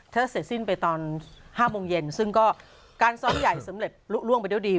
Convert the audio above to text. ถ้าเสร็จสิ้นไปตอน๕โมงเย็นซึ่งก็การซ้อมใหญ่สำเร็จลุล่วงไปด้วยดี